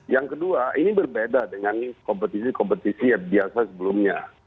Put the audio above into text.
yang kedua ini berbeda dengan kompetisi kompetisi yang biasa sebelumnya